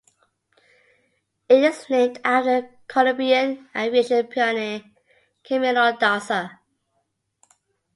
It is named after Colombian aviation pioneer Camilo Daza.